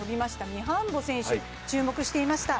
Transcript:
ミハンボ選手、注目していました。